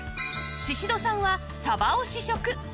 宍戸さんは鯖を試食